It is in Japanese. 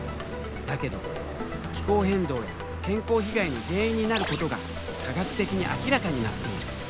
だけど気候変動や健康被害の原因になることが科学的に明らかになっている。